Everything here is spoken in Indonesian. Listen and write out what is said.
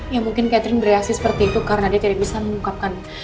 ya mungkin catherine bereaksi seperti itu karena dia tidak bisa mengungkapkan